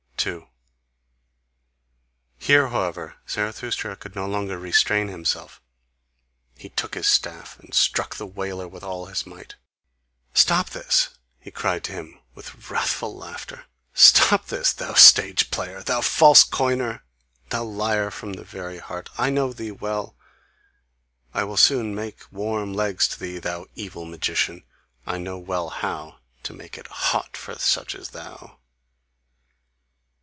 2. Here, however, Zarathustra could no longer restrain himself; he took his staff and struck the wailer with all his might. "Stop this," cried he to him with wrathful laughter, "stop this, thou stage player! Thou false coiner! Thou liar from the very heart! I know thee well! I will soon make warm legs to thee, thou evil magician: I know well how to make it hot for such as thou!"